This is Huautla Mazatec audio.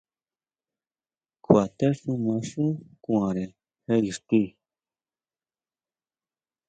Kjuatexuma xú kuanʼre je ixti.